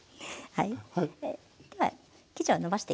はい。